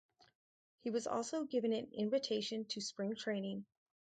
He was also given an invitation to spring training.